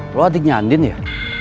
bro adiknya andin ya